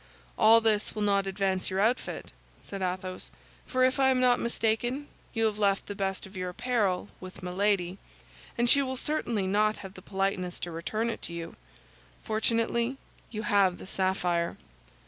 "All this will not advance your outfit," said Athos; "for if I am not mistaken, you have left the best of your apparel with Milady, and she will certainly not have the politeness to return it to you. Fortunately, you have the sapphire."